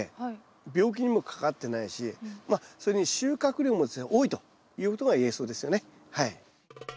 病気にもかかってないしそれに収穫量もですね多いということが言えそうですよねはい。